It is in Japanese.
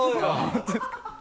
本当ですか？